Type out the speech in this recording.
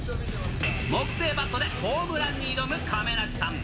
木製バットでホームランに挑む亀梨さん。